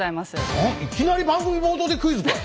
何いきなり番組冒頭でクイズかい！